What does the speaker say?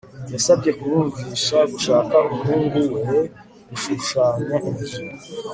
Yasabwe kumwumvisha gushaka umuhungu we gushushanya inzu